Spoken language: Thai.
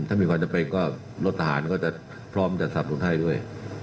ถ้ามีคนจะไปก็รถทหารก็จะพร้อมจัดส่งสนุนให้ด้วย